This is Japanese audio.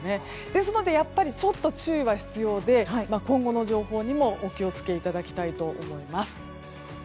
ですので、ちょっと注意は必要で今後の情報にも、お気を付けいただきたいと思います。